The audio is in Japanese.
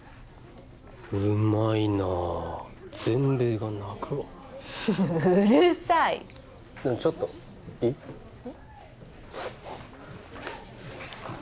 うまいな全米が泣くわうるさいでもちょっといい？